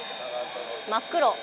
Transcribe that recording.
真っ黒。